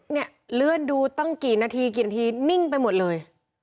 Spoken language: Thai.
เนี่ยเลื่อนดูตั้งกี่นาทีกี่นาทีนิ่งไปหมดเลย